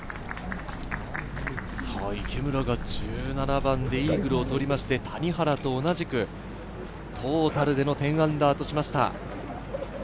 池村が１７番でイーグルを取りまして、谷原と同じくトータルでの−１０としました。